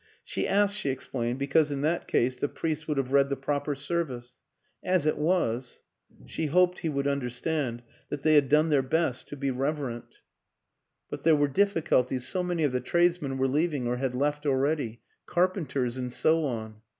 She asked, she explained, because in that case the priest would have read the proper service. As it was ... She hoped he would understand that they had done their best to be reverent. 178 WILLIAM AN ENGLISHMAN But there were difficulties so many of the tradesmen were leaving or had left already. Carpenters and so on.